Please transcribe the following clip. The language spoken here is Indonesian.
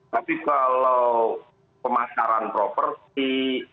tapi kalau pemasaran properti